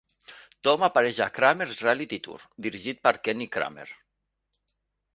Tom apareix a "Kramer's Reality Tour" dirigit per Kenny Kramer.